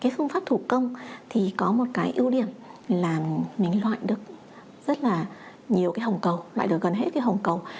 phương pháp thủ công thì có một cái ưu điểm là mình loại được rất là nhiều cái hồng cầu lại được gần hết cái hồng cầu